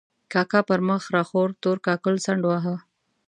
کاکا پر مخ را خور تور کاکل څنډ واهه.